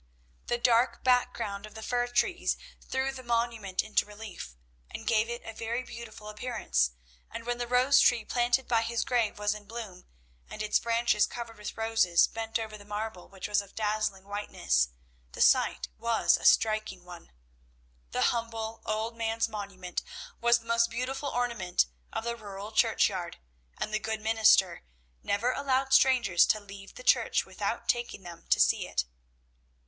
The dark background of the fir trees threw the monument into relief, and gave it a very beautiful appearance; and when the rose tree planted by his grave was in bloom, and its branches covered with roses bent over the marble, which was of dazzling whiteness, the sight was a striking one. The humble old man's monument was the most beautiful ornament of the rural churchyard, and the good minister never allowed strangers to leave the church without taking them to see it.